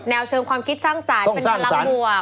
เชิงความคิดสร้างสรรค์เป็นพลังบวก